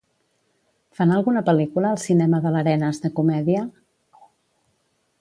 Fan alguna pel·lícula al cinema de l'Arenas de comèdia?